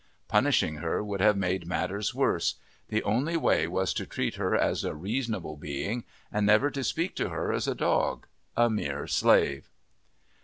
Punishing her would have made matters worse: the only way was to treat her as a reasonable being and never to speak to her as a dog a mere slave.